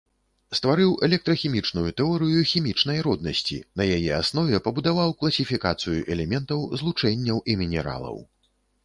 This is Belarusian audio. Стварыў электрахімічную тэорыю хімічнай роднасці, на яе аснове пабудаваў класіфікацыю элементаў, злучэнняў і мінералаў.